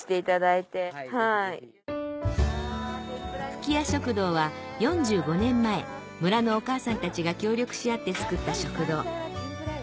吹屋食堂は４５年前村のお母さんたちが協力し合って作った食堂